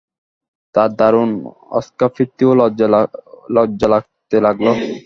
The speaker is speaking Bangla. তাঁর দারুণ অস্কাপ্তি ও লজ্জা লাগতে লাগল।